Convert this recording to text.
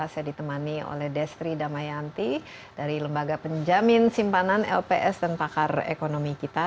saya ditemani oleh destri damayanti dari lembaga penjamin simpanan lps dan pakar ekonomi kita